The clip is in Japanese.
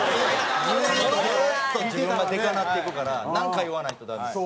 ずーっと自分がでかなっていくからなんか言わないとダメです。